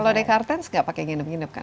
kalau di kartens nggak pakai nginep nginep kan